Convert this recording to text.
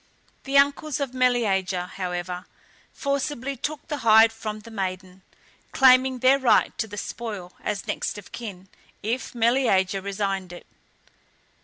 The uncles of Meleager, however, forcibly took the hide from the maiden, claiming their right to the spoil as next of kin, if Meleager resigned it.